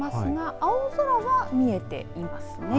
青空は見えていますね。